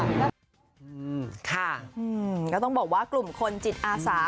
ค่ะก็ต้องบอกว่ากลุ่มคนจิตอาสา